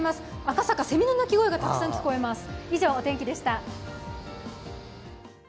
赤坂、せみの鳴き声がたくさん聞こえます。